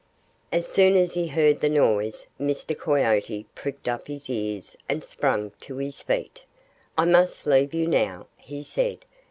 As soon as he heard the noise Mr. Coyote pricked up his ears and sprang to his feet. "I must leave you now," he said.